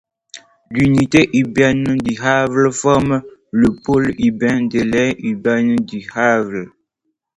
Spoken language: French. L'unité urbaine du Havre forme le pôle urbain de l'aire urbaine du Havre.